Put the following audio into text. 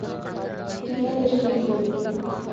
ٹیمیں تشکیل دے دیں